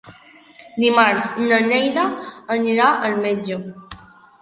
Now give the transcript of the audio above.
Dimarts na Neida anirà al metge.